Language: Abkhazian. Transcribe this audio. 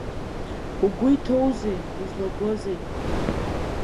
Угәы иҭоузеи, узлагозеи?